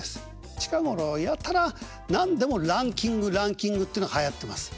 近頃やたら何でもランキングランキングってのがはやってます。